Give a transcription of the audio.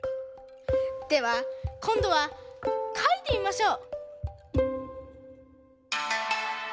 ではこんどはかいてみましょう。